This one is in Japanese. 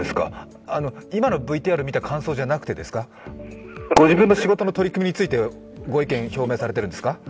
今のＶＴＲ、見た感想じゃなくてですか、ご自分の仕事の取り組みについてご意見を表明されているんですか。